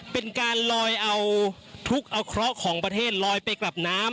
เป็นการรอยทุกที่ไปกลับรอยไปแล้ว